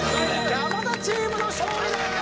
山田チームの勝利でーす！